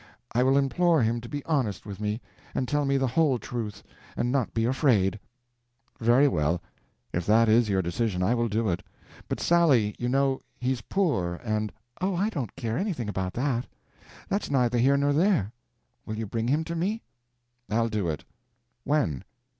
I will implore him to be honest with me, and tell me the whole truth, and not be afraid." "Very well; if that is your decision I will do it. But Sally, you know, he's poor, and—" "Oh, I don't care anything about that. That's neither here nor there. Will you bring him to me?" "I'll do it. When?